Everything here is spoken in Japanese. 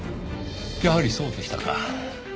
やはりそうでしたか。